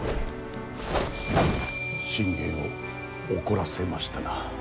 信玄を怒らせましたな。